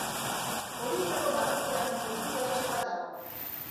Horietako bakoitzean, polizia-etxe bat dago.